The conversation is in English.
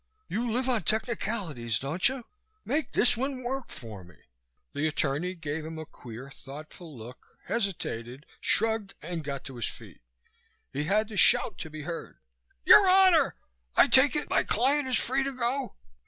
You live on technicalities, don't you? Make this one work for me!" The attorney gave him a queer, thoughtful look, hesitated, shrugged and got to his feet. He had to shout to be heard. "Your honor! I take it my client is free to go."